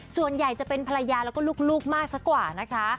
ส่วนใหญ่จะเป็นภรรยาแล้วก็ลูกมากซะกว่านะคะ